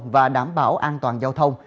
và đảm bảo an toàn giao thông